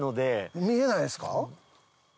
見えないですか？